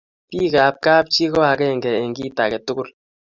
bik ab kap chi ko akenge eng kit akatugul